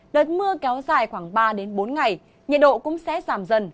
đợt mưa kéo dài khoảng ba bốn ngày nhiệt độ cũng sẽ giảm dần